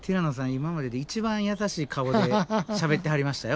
今までで一番優しい顔でしゃべってはりましたよ